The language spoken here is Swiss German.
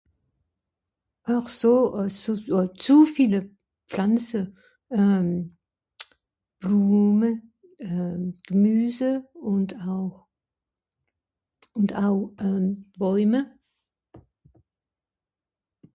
àchso àss euh zu viele pflanze euhm blume euh gemüse ùnd euh ùnd aw euh bäume